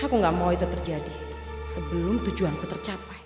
aku gak mau itu terjadi sebelum tujuan ku tercapai